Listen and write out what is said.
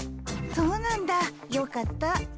そうなんだよかった。